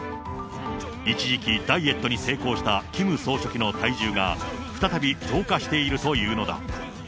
一時期、ダイエットに成功したキム総書記の体重が、再び増加しているというのだ。